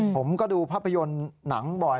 ผมก็ดูภาพยนตร์หนังบ่อย